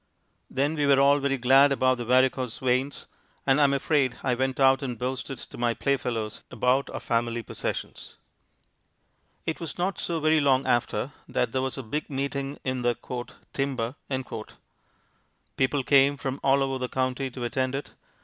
Then we were all very glad about the varicose veins, and I am afraid I went out and boasted to my play fellows about our family possessions. It was not so very long after, that there was a Big Meeting in the "timber." People came from all over the county to attend it.